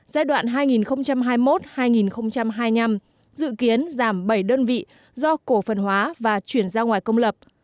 giai đoạn hai nghìn hai mươi một hai nghìn hai mươi năm dự kiến giảm bảy đơn vị do cổ phần hóa và chuyển ra ngoài công lập